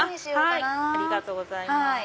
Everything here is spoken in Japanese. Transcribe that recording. ありがとうございます。